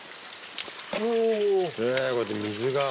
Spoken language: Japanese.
へぇこうやって水が。